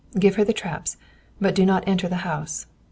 Give her the traps, but do not enter the house.